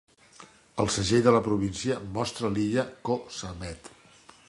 El segell de la província mostra l'illa Ko Samet.